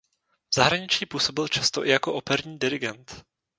V zahraničí působil často i jako operní dirigent.